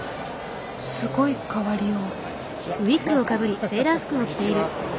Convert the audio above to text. すごい変わりよう。